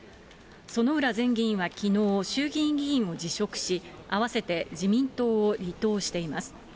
薗浦前議員はきのう、衆議院議員を辞職し、あわせて自民党を離党しています。